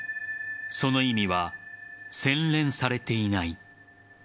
その意味は洗練されていない。